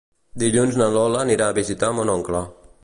Dilluns na Lola anirà a visitar mon oncle.